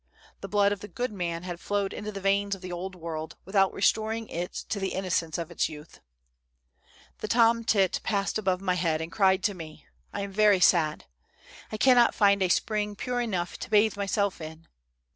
The blood of the good man had flowed into the veins of the old world, without restoring to it the innocence of its youth. " The tom tit passed above my head and cried to me :"' I am very sad. I cannot find a spring pure enough to bathe myself in.